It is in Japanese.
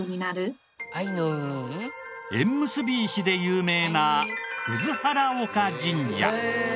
縁結び石で有名な葛原岡神社。